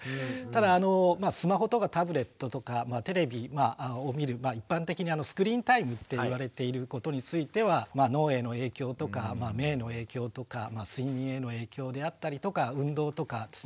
ただスマホとかタブレットとかテレビを見る一般的にスクリーンタイムって言われていることについては脳への影響とか目への影響とか睡眠への影響であったりとか運動とかですね